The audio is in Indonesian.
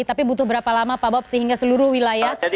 tapi butuh berapa lama pak bob sehingga seluruh wilayah